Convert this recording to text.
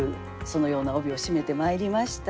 そのような帯を締めてまいりました。